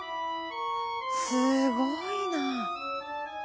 すごいな。